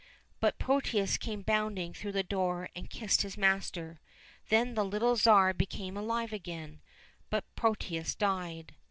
But Protius came bounding through the door and kissed his master. Then the little Tsar became alive again, but Protius died.